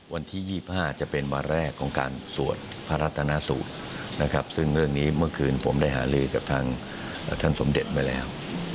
วันที่๒๕จะเป็นวันแรกของการสวดพระรัตนาสูตรนะครับซึ่งเรื่องนี้เมื่อคืนผมได้หาลือกับทางท่านสมเด็จไว้แล้ว